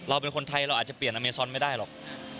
เป็นคนไทยเราอาจจะเปลี่ยนอเมซอนไม่ได้หรอก